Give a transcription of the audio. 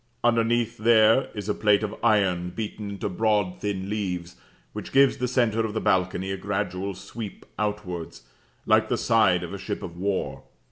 Underneath there is a plate of iron beaten into broad thin leaves, which gives the centre of the balcony a gradual sweep outwards, like the side of a ship of war.